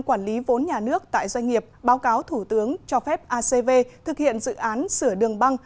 quản lý vốn nhà nước tại doanh nghiệp báo cáo thủ tướng cho phép acv thực hiện dự án sửa đường băng